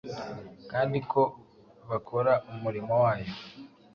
kandi ko bakora umurimo wayo,